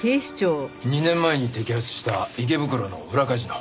２年前に摘発した池袋の裏カジノ。